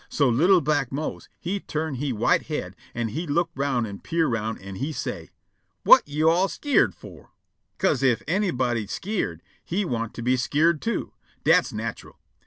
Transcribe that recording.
So li'l' black Mose he turn' he white head, an' he look' roun' an' peer' roun', an' he say': "Whut you all skeered fo'?" 'Ca'se ef anybody skeered, he want' to be skeered too. Dat's natural.